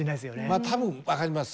まあ多分分かります。